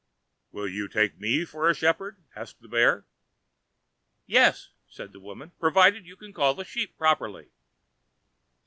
"Will you take me for a shepherd?" asked the bear. "Yes," said the woman, "provided you can call the sheep properly."